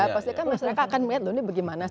pasti kan masyarakat akan melihat ini bagaimana